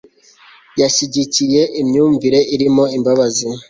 yashyigikiye imyumvire irimo imbabazi